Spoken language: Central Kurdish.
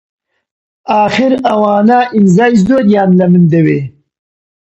ئاخر ئەوانە ئیمزای زۆریان لە من دەوێ!